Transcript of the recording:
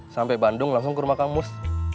sampai bandung langsung ke rumah kang mus